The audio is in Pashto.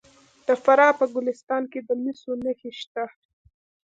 د فراه په ګلستان کې د مسو نښې شته.